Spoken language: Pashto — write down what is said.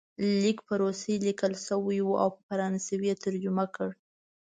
لیک په روسي لیکل شوی وو او په فرانسوي یې ترجمه کړ.